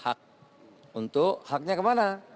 hak untuk haknya kemana